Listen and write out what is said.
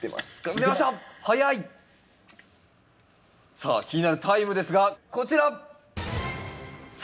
さあ気になるタイムですがこちら！